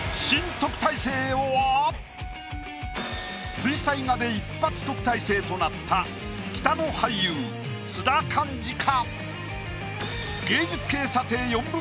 水彩画で一発特待生となった北野俳優津田寛治か？